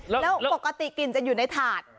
แล้วปกติกลิ่นจะอยู่ในถาด